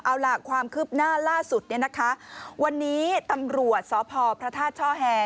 เอาล่ะความคืบหน้าล่าสุดเนี่ยนะคะวันนี้ตำรวจสพพระธาตุช่อแฮ